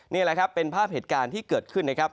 นี่เป็นภาพเหตุการณ์ที่เกิดขึ้น